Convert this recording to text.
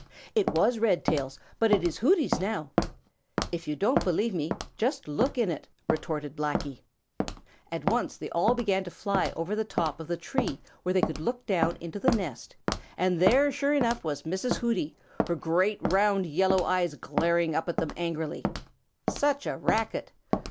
"It was Redtail's, but it is Hooty's now. If you don't believe me, just look in it," retorted Blacky. At once they all began to fly over the top of the tree where they could look down into the nest and there, sure enough, was Mrs. Hooty, her great, round, yellow eyes glaring up at them angrily. Such a racket!